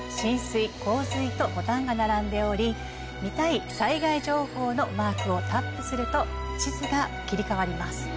ボタンが並んでおり見たい災害情報のマークをタップすると地図が切り替わります。